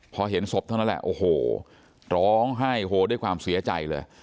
พอเห็นศพเท่านั้นแหละโอ้โหร้องไห้โฮด้วยความเสียใจเลย